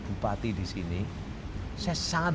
bupati di sini saya sangat